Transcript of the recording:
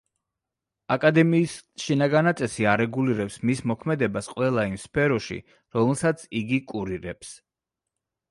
აკადემიის შინაგანაწესი არეგულირებს მის მოქმედებას ყველა იმ სფეროში, რომელსაც იგი კურირებს.